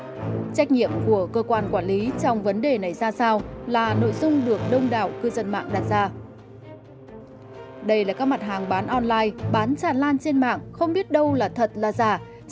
trách nhiệm của cơ quan quản lý trong vấn đề này ra sao là nội dung được đông đảo cư dân mạng đặt ra